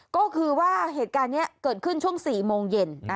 ก็คือว่าเหตุการณ์นี้เกิดขึ้นช่วง๔โมงเย็น